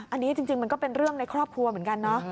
อันนี้จริงมันก็เป็นเรื่องในครอบครัวเหมือนกันเนาะ